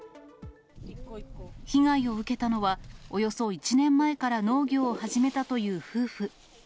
被害を受けたのは、およそ１年前から農業を始めたという夫婦。